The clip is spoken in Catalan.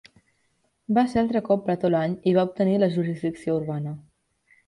Va ser altre cop pretor l'any i va obtenir la jurisdicció urbana.